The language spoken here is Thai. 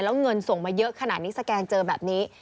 แล้วเงินส่งมาเยอะขนาดนี้สแกนเจอแบบนี้